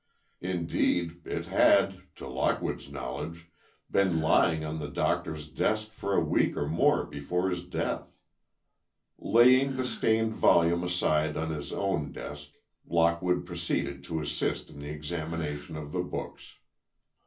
Indeed, it had, to Lockwood's knowledge, been lying on the Doctor's desk for a week or more before his death. Laying the stained volume aside in his own desk, Lockwood proceeded to assist in the examination of the books.